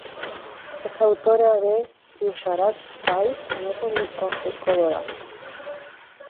Es autora de "Gujarat Files: Anatomy of a Cover Up".